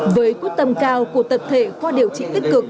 với quyết tâm cao của tập thể khoa điều trị tích cực